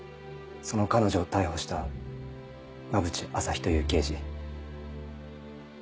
その彼女を逮捕した馬淵朝陽という刑事。